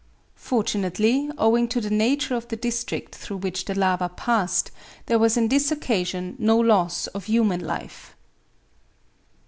Fortunately, owing to the nature of the district through which the lava passed, there was on this occasion no loss of human life.